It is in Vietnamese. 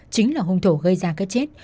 chính là hung thổ gây ra cái chết